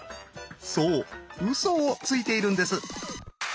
そうウソをついているんです。